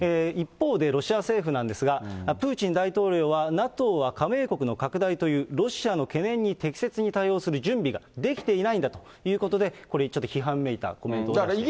一方でロシア政府なんですが、プーチン大統領は、ＮＡＴＯは加盟国の拡大という、ロシアの懸念に適切に対応する準備ができていないんだということで、これにちょっと批判めいたコメントを出している。